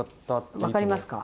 分かりますか？